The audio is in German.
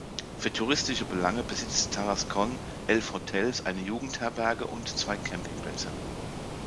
Für touristische Belange besitzt Tarascon elf Hotels, eine Jugendherberge und zwei Campingplätze.